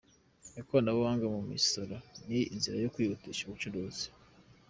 Ikoranabuhanga mu misoro ni inzira yo kwihutisha ubucuruzi"